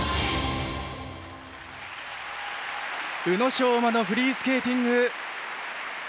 宇野昌磨のフリースケーティング。